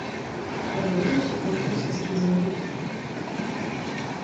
Праводзіўся конкурс эскізаў бюста.